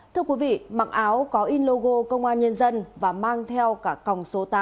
thưa quý vị mặc áo có in logo công an nhân dân và mang theo cả còng số tám